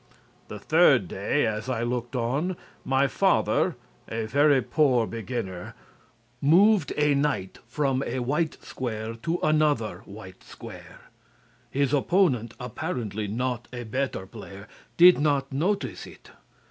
The third day, as I looked on, my father, a very poor beginner, moved a Knight from a white square to another white square. His opponent, apparently not a better player, did not notice it.